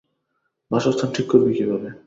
বাসস্থান ঠিক করবি কীভাবে?